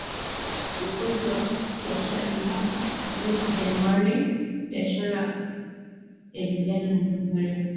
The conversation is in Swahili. Ukuaji wa Biashara mnamo mwezi Januari, biashara kati ya Uganda na Jamhuri ya Kidemokrasia ya Kongo ilifikia kiwango cha juu